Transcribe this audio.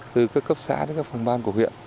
từ các cấp xã đến các phòng ban của huyện